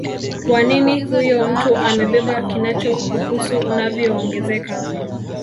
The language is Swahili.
wa nini huyo mtu amebeba kinachokuhusu unavyoongezeka